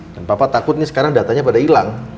dan papa takut nih sekarang datanya pada hilang